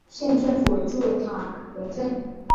县政府驻塔荣镇。